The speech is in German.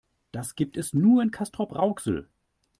Das gibt es nur in Castrop-Rauxel